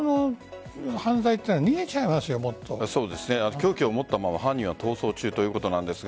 凶器を持ったまま犯人は逃走中ということですが。